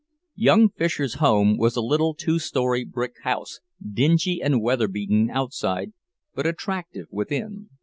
Young Fisher's home was a little two story brick house, dingy and weather beaten outside, but attractive within.